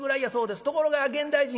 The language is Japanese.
ところが現代人